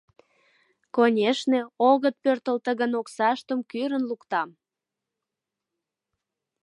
Конешне, огыт пӧртылтӧ гын, оксаштым кӱрын луктам.